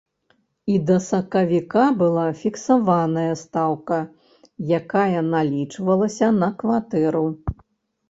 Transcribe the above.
І да сакавіка была фіксаваная стаўка, якая налічвалася на кватэру.